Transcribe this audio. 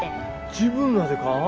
自分らでか？